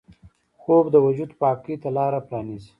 خوب د وجود پاکۍ ته لاره پرانیزي